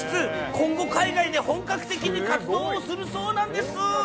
今後、海外で本格的に活動をするそうなんです。